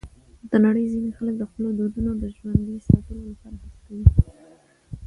د نړۍ ځینې خلک د خپلو دودونو د ژوندي ساتلو لپاره هڅه کوي.